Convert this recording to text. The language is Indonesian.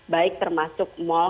baik termasuk mall